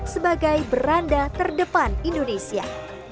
sebagai beranda terdepan indonesia